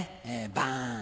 「バーン！」